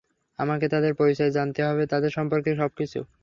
আমাকে তাদের পরিচয় জানতে হবে, তাদের সম্পর্কে সবকিছু।